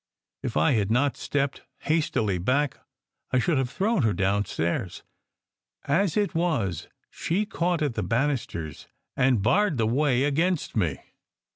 If I had not stepped hastily back I should have thrown her down stairs. As it was, she caught at the banisters and barred the way against me.